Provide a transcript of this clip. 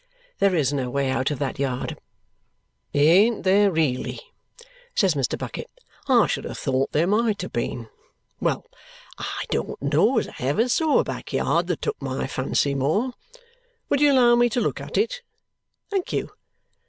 There is no way out of that yard. "Ain't there really?" says Mr. Bucket. "I should have thought there might have been. Well, I don't know as I ever saw a backyard that took my fancy more. Would you allow me to look at it? Thank you.